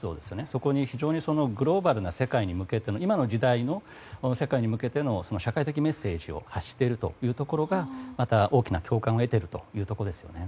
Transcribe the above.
そこに、非常にグローバルな世界今の時代の世界に向けての社会的にメッセージを発しているというところがまた、大きな共感を得ているというところですよね。